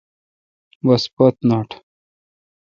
بس پت نوٹہ۔